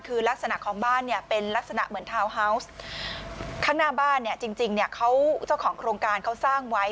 คือลักษณะของบ้านเนี่ยเป็นลักษณะเหมือนทาวน์ฮาวส์ข้างหน้าบ้านเนี่ยจริงเนี่ยเขาเจ้าของโครงการเขาสร้างไว้